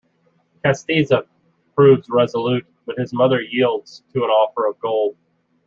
Castiza proves resolute but his mother yields to an offer of gold.